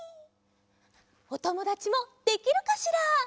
おともだちもできるかしら？